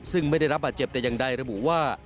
ซึ่งไม่ได้รับบาดเจ็บแต่อย่างใดระบุว่า